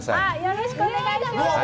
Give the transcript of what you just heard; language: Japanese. よろしくお願いします。